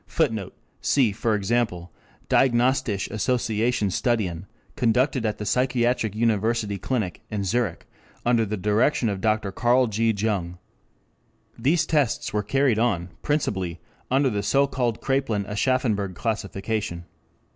[Footnote: See, for example, Diagnostische Assoziation Studien, conducted at the Psychiatric University Clinic in Zurich under the direction of Dr. C. G. Jung. These tests were carried on principally under the so called Krapelin Aschaffenburg classification.